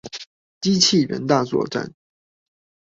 機器人大作戰